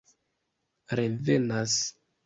revenas